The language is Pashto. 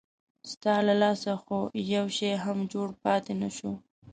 ستا له لاسه خو یو شی هم جوړ پاتې نه شو.